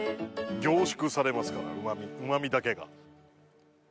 凝縮されますからうま味だけが。